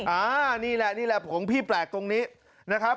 อ่านี่แหละนี่แหละผงพี่แปลกตรงนี้นะครับ